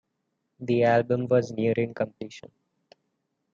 The album was nearing completion.